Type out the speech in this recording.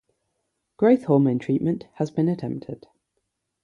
Growth hormone treatment has been attempted.